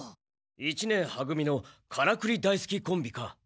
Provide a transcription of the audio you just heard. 一年は組のカラクリ大すきコンビか。